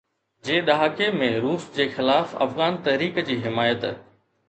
جي ڏهاڪي ۾ روس جي خلاف افغان تحريڪ جي حمايت